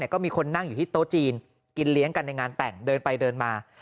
ก็มีคนนั่งอยู่ที่โต๊ะจีนกินเลี้ยงกันในงานแต่งเดินไปเดินมา